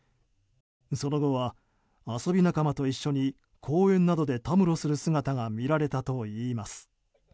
その後は、遊び仲間と一緒に公園などでたむろする姿が見られたといいます。